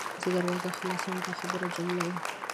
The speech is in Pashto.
زه دروازه خلاصوم – دا خبریه جمله ده.